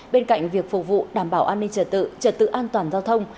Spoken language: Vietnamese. bên cạnh việc phục vụ đảm bảo an ninh trợ tự trợ tự an toàn giao thông